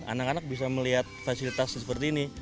anak anak bisa melihat fasilitas seperti ini